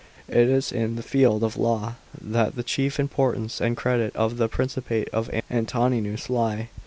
§ 5. It is in the field of law that the chief importance and credit of the principate of Antoninus lie.